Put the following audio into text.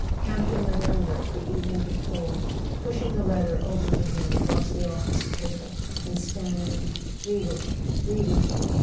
Campton remembered, the evening before, pushing the letter over to him across the office table, and stammer¬ ing: "Read it—read it to me.